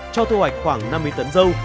cho thu hoạch khoảng năm mươi tấn dâu